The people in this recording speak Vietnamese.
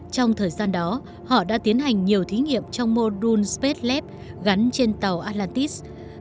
trong thời gian đó họ đã tiến hành nhiều thí nghiệm trong mô đun spacelep gắn trên tàu atlantis